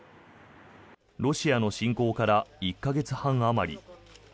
ロシアの侵攻から１か月半あまり。